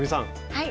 はい。